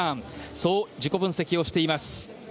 そう自己分析をしています。